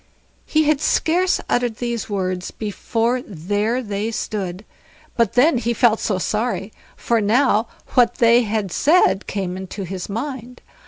He had scarce uttered these words before there they stood, but then he felt so sorry, for now what they had said came into his mind.